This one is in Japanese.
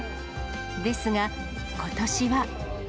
ですが、ことしは。